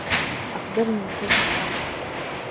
أخبرني, كيف عرفتَ ؟